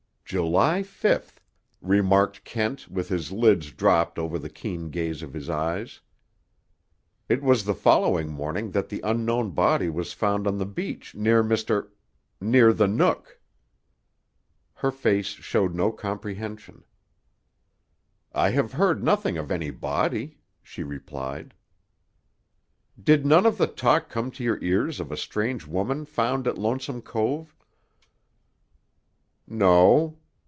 "July fifth," remarked Kent with his lids dropped over the keen gaze of his eyes. "It was the following morning that the unknown body was found on the beach near Mr.—near the Nook." Her face showed no comprehension. "I have heard nothing of any body," she replied. "Did none of the talk come to your ears of a strange woman found at Lonesome Cove?" "No.